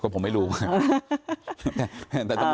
คุณจะเป็นรู้ได้ยังไงล่ะ